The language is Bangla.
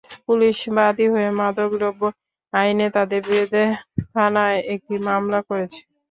পুলিশ বাদী হয়ে মাদকদ্রব্য আইনে তাঁদের বিরুদ্ধে থানায় একটি মামলা করেছে।